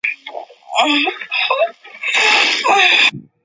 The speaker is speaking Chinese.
无线电视及香港电台各派出一名司仪主持决赛节目。